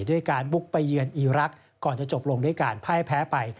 ด้วยการบุกไปเยือนอีรักษ์ก่อนจะจบลงด้วยการพ่ายแพ้ไป